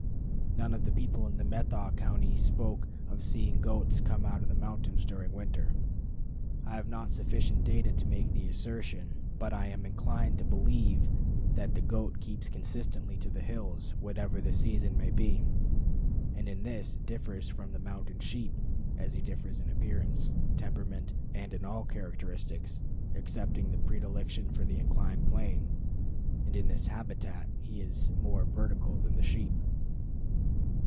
None of the people in the Methow country spoke of seeing goats come out of the mountains during winter. I have not sufficient data to make the assertion, but I am inclined to believe that the goat keeps consistently to the hills, whatever the season may be, and in this differs from the mountain sheep as he differs in appearance, temperament, and in all characteristics excepting the predilection for the inclined plane; and in this habit he is more vertical than the sheep.